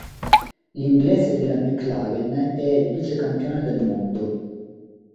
L'inglese della McLaren è vicecampione del mondo.